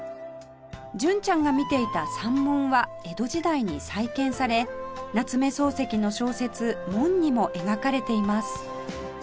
純ちゃんが見ていた山門は江戸時代に再建され夏目漱石の小説『門』にも描かれています